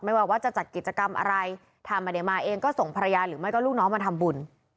ว่าจะจัดกิจกรรมอะไรถ้าไม่ได้มาเองก็ส่งภรรยาหรือไม่ก็ลูกน้องมาทำบุญ